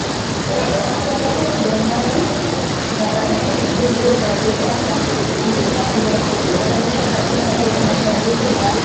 mkataba huu Ujerumani utakabidhi fuvu la Sultani Mkwawa iliyohamishwa kutoka Afrika ya Mashariki ya